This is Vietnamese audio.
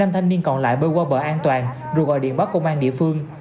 năm thanh niên còn lại bơi qua bờ an toàn rồi gọi điện báo công an địa phương